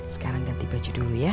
sekarang ganti baju dulu ya